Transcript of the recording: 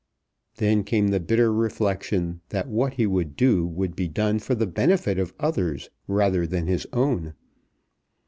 Then came the bitter reflection that what he would do would be done for the benefit of others rather than his own.